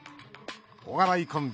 お笑いコンビ